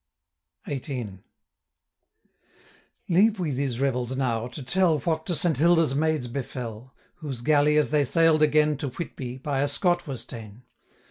505 XVIII. Leave we these revels now, to tell What to Saint Hilda's maids befell, Whose galley, as they sail'd again To Whitby, by a Scot was ta'en.